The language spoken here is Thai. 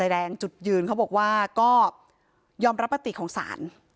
แรงจุดยืนเขาบอกว่าก็ยอมรับปฏิของศาล